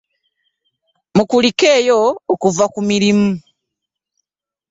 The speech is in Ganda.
Mukulikeeyo okuva ku mirimu.